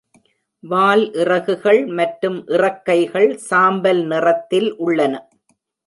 வால் இறகுகள் மற்றும் இறக்கைகள் சாம்பல் நிறத்தில் உள்ளன.